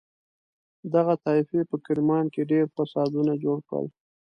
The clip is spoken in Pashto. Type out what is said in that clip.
دغه طایفې په کرمان کې ډېر فسادونه جوړ کړل.